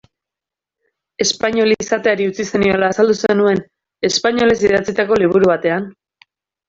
Espainol izateari utzi zeniola azaldu zenuen, espainolez idatzitako liburu batean.